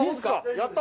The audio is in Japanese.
やった。